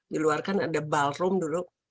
diluar kan ada ballroom dulu